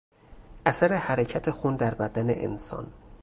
اثر حرکت خون در بدن انسان